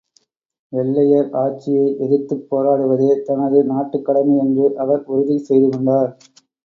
வெள்ளையர் ஆட்சியை எதிர்த்துப் போராடுவதே தனது நாட்டுக் கடமை என்று அவர் உறுதி செய்து கொண்டார்.